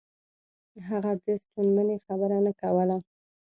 هغه د ستومنۍ خبره نه کوله.